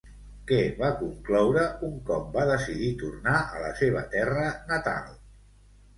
Què va concloure un cop va decidir tornar a la seva terra natal?